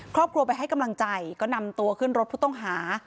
ครอบครัวไปให้กำลังใจก็นำตัวขึ้นรถผู้ต้องหา